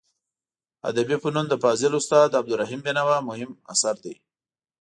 ادبي فنون د فاضل استاد عبدالروف بینوا مهم اثر دی.